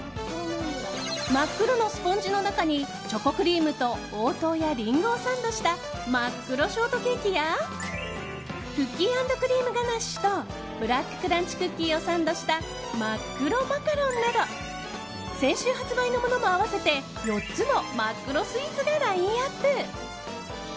真っ黒のスポンジの中にチョコクリームと黄桃やリンゴをサンドした真っ黒ショートケーキやクッキー＆クリームガナッシュとブラッククランチクッキーをサンドした真っ黒マカロンなど先週発売のものも合わせて４つの真っ黒スイーツがラインアップ。